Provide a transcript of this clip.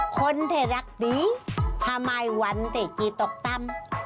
คนเธอรักดีทำไมวันเตะตกตำ